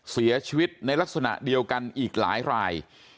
เสียชีวิตในลักษณะเดียวกันอีกหลายราย